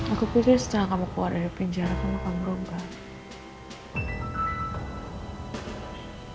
aku pikir setelah kamu keluar dari pinjara kamu akan berubah